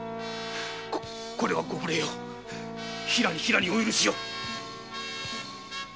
これはご無礼を平にお許しを！